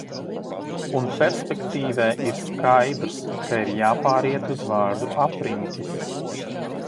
"Un perspektīvē ir skaidrs, ka ir jāpāriet uz vārdu "apriņķis"."